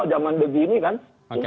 zaman begini kan